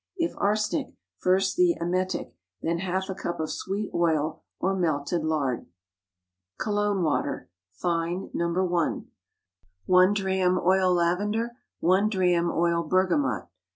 If arsenic, first the emetic, then half a cup of sweet oil or melted lard. COLOGNE WATER. (Fine.) (No. 1.) 1 drachm oil lavender. 1 drachm oil bergamot.